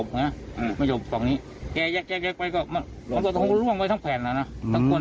แผ่นใหญ่ลงมาถับแแลเลย